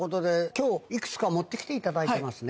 今日いくつか持って来ていただいてますね。